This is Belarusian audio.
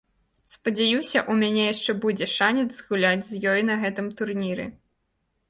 Спадзяюся, у мяне яшчэ будзе шанец згуляць з ёй на гэтым турніры.